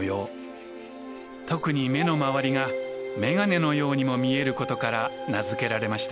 特に目の周りがメガネのようにも見えることから名付けられました。